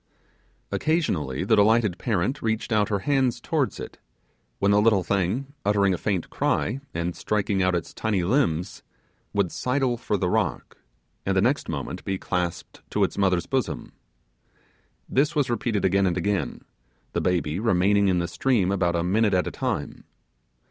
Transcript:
Occasionally, the delighted parent reached out her hand towards it, when the little thing, uttering a faint cry, and striking out its tiny limbs, would sidle for the rock, and the next moment be clasped to its mother's bosom. This was repeated again and again, the baby remaining in the stream about a minute at a time.